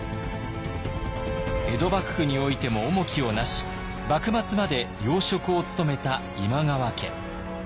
江戸幕府においても重きをなし幕末まで要職を務めた今川家。